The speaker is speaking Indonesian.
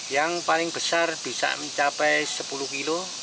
yang paling besar bisa mencapai sepuluh kilo